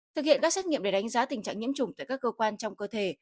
thực hiện các xét nghiệm để đánh giá tình trạng nhiễm chủng tại các cơ quan trong cơ thể